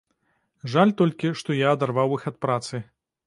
Жаль толькі, што я адарваў іх ад працы.